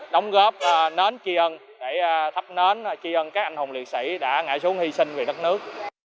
đóng góp nến tri ân để thắp nến tri ân các anh hùng liệt sĩ đã ngại xuống hy sinh về đất nước